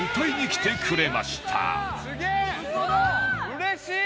うれしい！